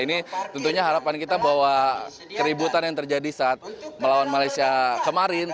ini tentunya harapan kita bahwa keributan yang terjadi saat melawan malaysia kemarin